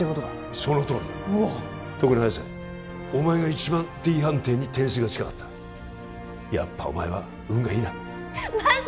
そのとおりだ特に早瀬うわっお前が一番Ｄ判定に点数が近かったやっぱお前は運がいいなマジ？